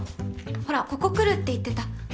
ほらここ来るって言ってた。